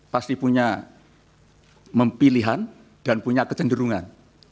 pasti punya pilihan dan punya kecenderungan